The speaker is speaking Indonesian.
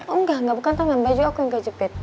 enggak bukan tangan baju aku yang kejepit